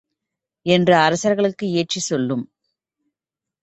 என்று அரசர்களுக்கு ஏற்றிச் சொல்லும்.